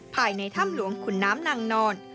ภายในถ้ำหลวงขุนน้ำนางนอน